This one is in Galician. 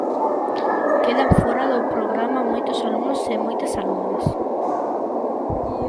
Quedan fóra do programa moitos alumnos e moitas alumnas.